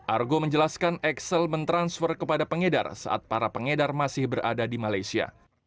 argo menjelaskan excel mentransfer kepada pengedar saat para pengedar masih berada di malaysia